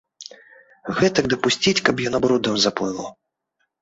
Гэтак дапусціць, каб яно брудам заплыло!